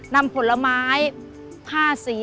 นำผลไม้ผ้าสี